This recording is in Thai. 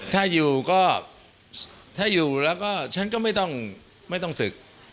ถ้าอยู่ก็ถ้าอยู่แล้วก็ฉันก็ไม่ต้องศึก